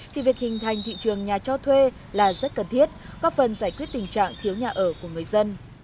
thì việc hình thành thị trường nhà cho thuê là rất cần thiết góp phần giải quyết tình trạng thiếu nhà ở của người dân